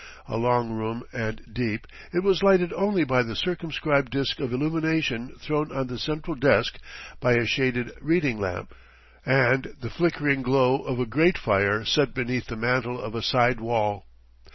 A long room and deep, it was lighted only by the circumscribed disk of illumination thrown on the central desk by a shaded reading lamp, and the flickering glow of a grate fire set beneath the mantel of a side wall.